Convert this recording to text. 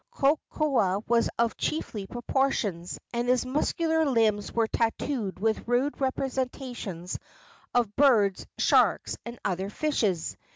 Kokoa was of chiefly proportions, and his muscular limbs were tattooed with rude representations of birds, sharks and other fishes.